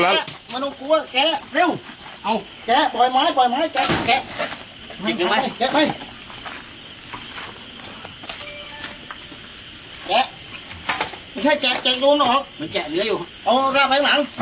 มันอบใช่มั้ย